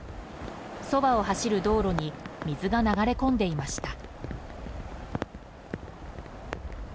そばを走る道路に水が流れ込んでいました。